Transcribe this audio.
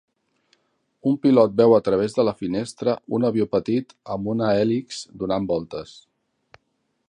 Un pilot veu a través de la finestra un avió petit amb una hèlix donant voltes